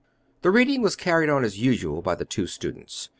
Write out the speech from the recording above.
The reading was carried on as usual by the two students.